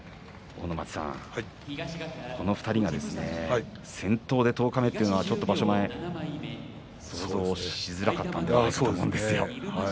阿武松さん、この２人が先頭で十日目というのは場所前想像しづらかったんではないかと思うんですよ。